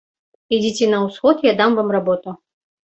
Ідзіце на ўсход, я вам дам работу.